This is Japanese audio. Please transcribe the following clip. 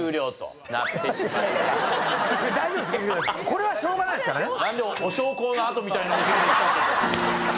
これはしょうがないですからね。